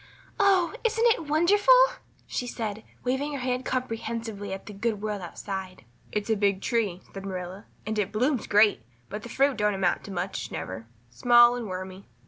"Oh, isn't it wonderful?" she said, waving her hand comprehensively at the good world outside. "It's a big tree," said Marilla, "and it blooms great, but the fruit don't amount to much never small and wormy."